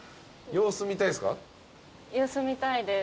様子見たいです。